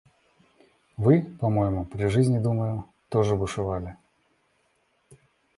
Вы по-моему при жизни – думаю — тоже бушевали.